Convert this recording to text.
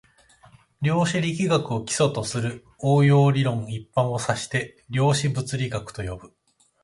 量子力学を基礎とする応用理論一般を指して量子物理学と呼ぶ